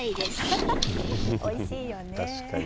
確かに。